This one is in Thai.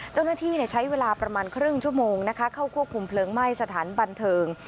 เจ้าหน้าที่ใช้เวลาประมาณครึ่งชั่วโมงนะคะเข้าควบคุมเพลิงไหม้สถานบันเทิง